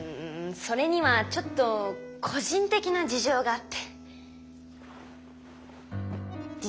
それにはちょっと事情があって。